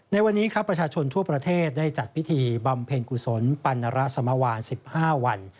ในวันนี้ครับประชาชนทั่วประเทศได้จัดพิธีบำเพ็ญกุศลปันนรสมวาน๑๕วัน